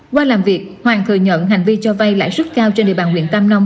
qua làm việc hoàng thừa nhận hành vi cho vay lãi suất cao trên địa bàn huyện tam nông